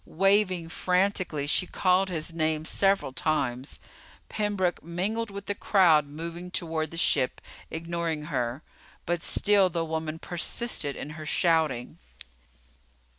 Waving frantically, she called his name several times. Pembroke mingled with the crowd moving toward the ship, ignoring her. But still the woman persisted in her shouting.